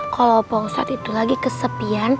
kalau opa ustadz itu lagi kesepian ya